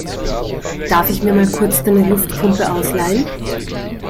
Darf ich mir mal kurz deine Luftpumpe ausleihen?